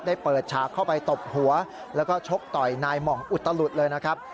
เปิดฉากเข้าไปตบหัวแล้วก็ชกต่อยนายหม่องอุตลุดเลยนะครับ